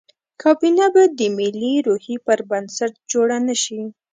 کابینه به د ملي روحیې پر بنسټ جوړه نه شي.